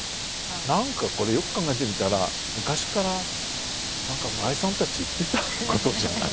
何かこれよく考えてみたら昔から村井さんたち言ってたことじゃない？」